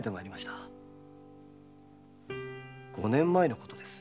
五年前のことです。